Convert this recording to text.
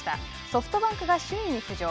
ソフトバンクが首位に浮上。